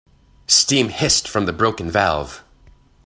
Steam hissed from the broken valve.